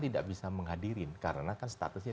tidak bisa menghadirin karena kan statusnya